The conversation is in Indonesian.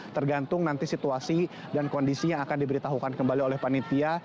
tergantung nanti situasi dan kondisi yang akan diberitahukan kembali oleh panitia